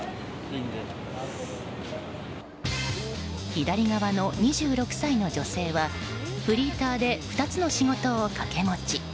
左側の２６歳の女性はフリーターで２つの仕事を掛け持ち。